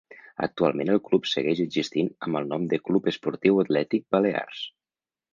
Actualment el club segueix existint amb el nom de Club Esportiu Atlètic Balears.